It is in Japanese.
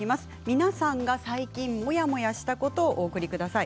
皆さんが最近モヤモヤしたことをお送りください。